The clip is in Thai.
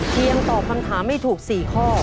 เพียงตอบคำถามไม่ถูก๔ข้อ